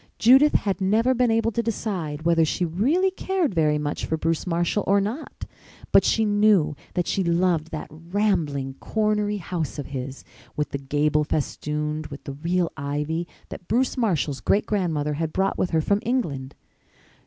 Judith had never been able to decide whether she really cared very much for Bruce Marshall or not, but she knew that she loved that rambling, cornery house of his, with the gable festooned with the real ivy that Bruce Marshall's great grandmother had brought with her from England.